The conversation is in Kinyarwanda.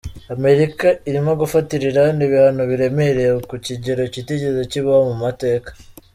Amerika irimo gufatira Iran ibihano biremereye ku kigero kitigeze kibaho mu mateka.